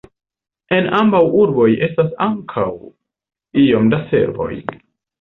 En ambaŭ urboj estas ankaŭ iom da servoj.